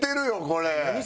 これ。